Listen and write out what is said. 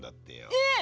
えっ！？